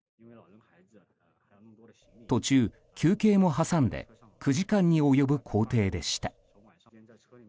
途中休憩も挟んで９時間に及ぶ行程でした。